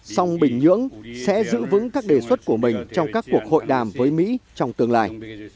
song bình nhưỡng sẽ giữ vững các đề xuất của mình trong các cuộc hội đàm với mỹ trong tương lai